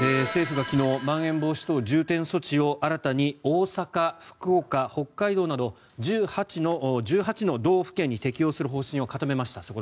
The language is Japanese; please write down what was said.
政府が昨日まん延防止等重点措置を新たに大阪、福岡、北海道など１８の道府県に適用する方針を固めました。